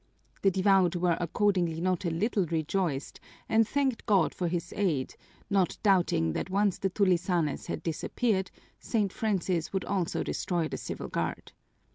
The devout were accordingly not a little rejoiced and thanked God for this aid, not doubting that once the tulisanes had disappeared, St. Francis would also destroy the Civil Guard.